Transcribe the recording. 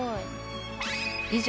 以上